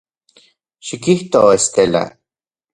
Xikijto, Estela.